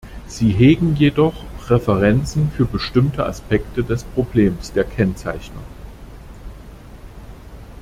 Sie hegen jedoch Präferenzen für bestimmte Aspekte des Problems der Kennzeichnung.